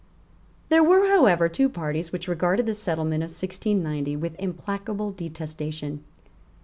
There were however two parties which regarded the settlement of 1690 with implacable detestation.